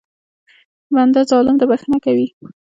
بنده ظالم ته بښنه کوي.